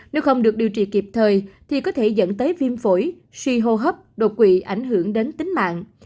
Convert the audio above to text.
nếu không được điều trị kịp thời thì có thể dẫn tới viêm phổi suy hô hấp đột quỵ ảnh hưởng đến tính mạng